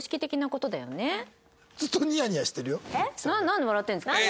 なんで笑ってるんですか？